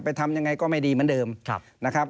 ทำยังไงก็ไม่ดีเหมือนเดิมนะครับ